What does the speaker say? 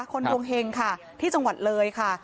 คนดวงเห็งค่ะที่จังหวัดเลยค่ะ